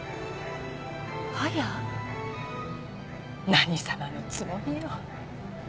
何様のつもりよ